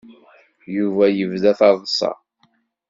Yuba yebda taḍsa.